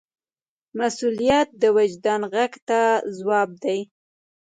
مسؤلیت د وجدان غږ ته ځواب دی.